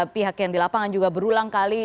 pihak yang di lapangan juga berulang kali